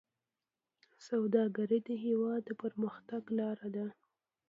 سوداګري د هېواد د پرمختګ لاره ده.